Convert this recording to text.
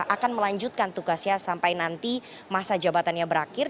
akan melanjutkan tugasnya sampai nanti masa jabatannya berakhir